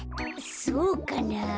そうかなあ。